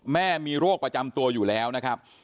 แม่มีโรคประจำตัวอยู่แล้วนะครับ